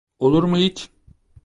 Olur mu hiç?